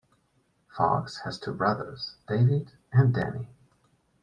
Fox has two brothers, David and Danny.